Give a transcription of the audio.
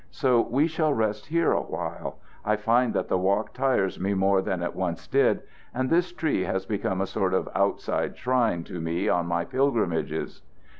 So we shall rest here a while. I find that the walk tires me more than it once did, and this tree has become a sort of outside shrine to me on my pilgrimages."